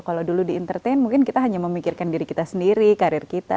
kalau dulu di entertain mungkin kita hanya memikirkan diri kita sendiri karir kita